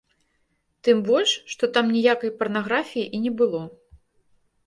Тым больш, што там ніякай парнаграфіі і не было.